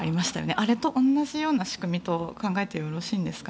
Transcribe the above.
あれと同じような仕組みと考えてよろしいですか。